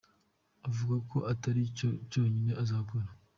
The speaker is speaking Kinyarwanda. Avuga ko atari icyo cyonyine azakora.